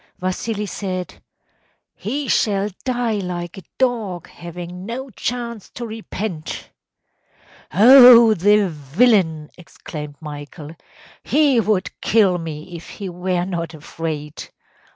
Vasili said, ‚ÄėHe shall die like a dog, having no chance to repent!‚Äô‚ÄĚ “Oh, the villain!‚ÄĚ exclaimed Michael. “He would kill me if he were not afraid.